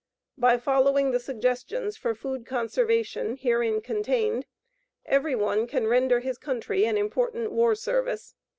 By following the suggestions for food conservation herein contained every one can render his country an important war service.